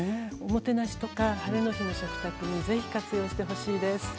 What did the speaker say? おもてなしとかハレの日の食卓にぜひ活用してほしいです。